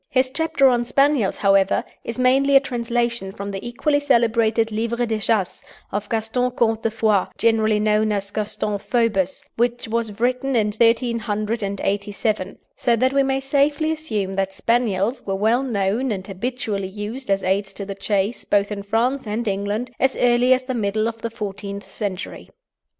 His chapter on Spaniels, however, is mainly a translation from the equally celebrated "Livre de Chasse," of Gaston Comte de Foix, generally known as Gaston Phoebus, which was written in 1387, so that we may safely assume that Spaniels were well known, and habitually used as aids to the chase both in France and England, as early as the middle of the fourteenth century.